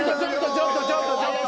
ちょっとちょっとちょっと！